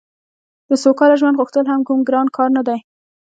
د سوکاله ژوند غوښتل هم کوم ګران کار نه دی